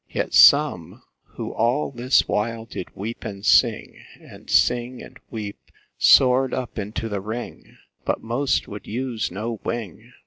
4. Yet some, who all this while did weep and sing, And sing, and weep, soar'd up into the Ring, But most would use no wing.